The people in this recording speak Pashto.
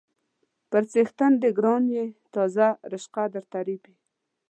_پر څښتن دې ګران يې، تازه رشقه درته رېبي.